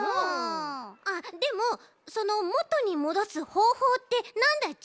あっでもそのもとにもどすほうほうってなんだち？